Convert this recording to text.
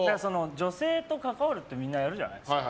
女性と関わるってみんなやるじゃないですか。